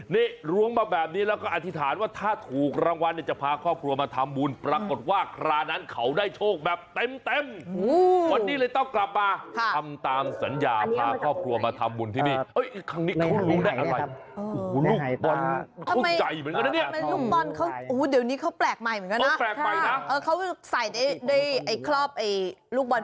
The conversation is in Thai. นี่ล้วงมาแบบนี้แล้วก็อธิษฐานว่าถ้าถูกรางวัลเนี่ยจะพาครอบครัวมาทำบุญ